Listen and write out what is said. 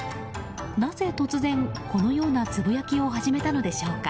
なぜ突然、このようなつぶやきを始めたのでしょうか。